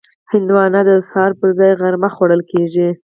هندوانه د سهار پر ځای غرمه خوړل کېږي.